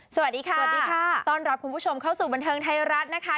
สวัสดีค่ะสวัสดีค่ะต้อนรับคุณผู้ชมเข้าสู่บันเทิงไทยรัฐนะคะ